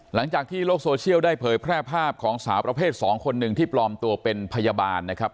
หลังจากที่โลกโซเชียลได้เผยแพร่ภาพของสาวประเภท๒คนหนึ่งที่ปลอมตัวเป็นพยาบาลนะครับ